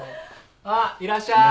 あっいらっしゃい。